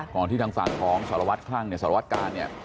ก่อนที่ทางฝั่งของสารวัตรคลั่งสารวัตรกาเนี่ย